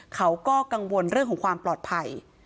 เขาก็กังวลเรื่องของความปลอดภัย